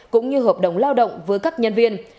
cũng như hợp đồng lao động với các nhân viên